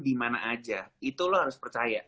dimana aja itu lo harus percaya